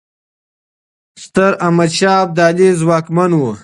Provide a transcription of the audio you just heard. ستراحمدشاه ابدالي ځواکمن و.